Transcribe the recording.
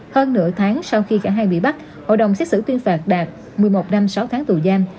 hơn nửa tháng sau khi cả hai bị bắt hội đồng xét xử tuyên phạt đạt một mươi một năm sáu tháng tù giam